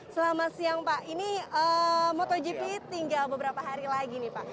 selamat siang pak ini motogp tinggal beberapa hari lagi nih pak